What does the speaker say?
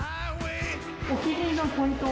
お気に入りのポイントは？